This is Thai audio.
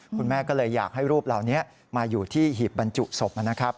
คุณแม่ก็เลยอยากให้รูปเหล่านี้มาอยู่ที่หีบบรรจุศพนะครับ